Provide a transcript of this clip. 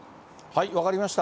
分かりました。